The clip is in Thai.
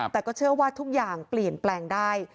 แต่ก็เชื่อว่าทุกอย่างเปลี่ยนแปลงได้